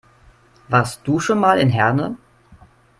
Warst du schon mal in Herne?